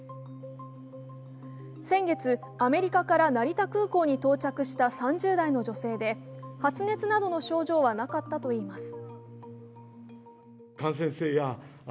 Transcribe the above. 先月、アメリカから成田空港に到着した３０代の女性で、発熱などの症状はなかったといいます。